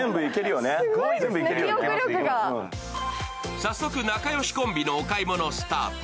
早速、仲良しコンビのお買い物スタート。